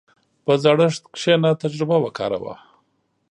په زړښت کښېنه، تجربه وکاروه.